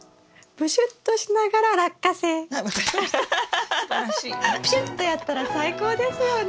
プシュッとやったら最高ですよね。